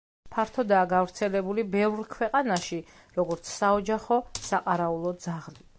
ფართოდაა გავრცელებული ბევრ ქვეყანაში როგორც საოჯახო საყარაულო ძაღლი.